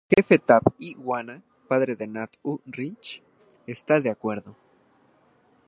El jefe Tab-y-wana, padre de Nat-u-ritch, está de acuerdo.